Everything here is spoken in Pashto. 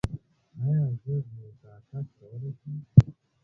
ایا زه بوټاکس کولی شم؟